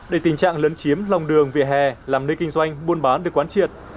đầy tình trạng lấn chiếm lòng đường về hè làm nơi kinh doanh buôn bán được quán triệt